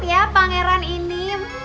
ya pangeran ini